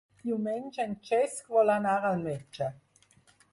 Diumenge en Cesc vol anar al metge.